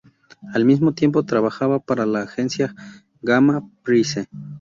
Al mismo tiempo trabajaba para la agencia Gamma Presse.